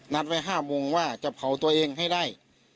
นัดไว้๕โมงว่าจะเผาตัวเองให้ได้